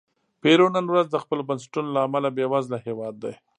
پیرو نن ورځ د خپلو بنسټونو له امله بېوزله هېواد دی.